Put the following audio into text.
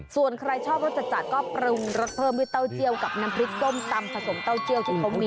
ส่วนใครชอบรสจัดก็ปรุงรสเพิ่มด้วยเต้าเจียวกับน้ำพริกส้มตำผสมเต้าเจียวที่เขามี